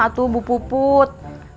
atau bu puput